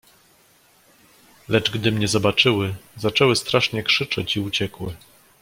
"Lecz gdy mnie zobaczyły, zaczęły strasznie krzyczeć i uciekły."